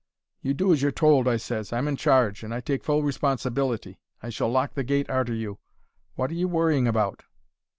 "'You do as you're told,' I ses. 'I'm in charge, and I take full responsibility. I shall lock the gate arter you. Wot are you worrying about?'